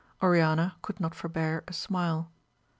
Oriana could not for bear a smile.